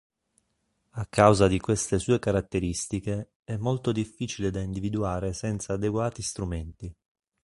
A causa di queste sue caratteristiche, è molto difficile da individuare senza adeguati strumenti.